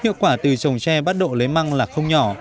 hiệu quả từ trồng tre bắt độ lấy măng là không nhỏ